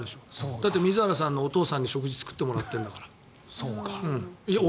だって水原さんのお父さんに食事を作ってもらってるんだから。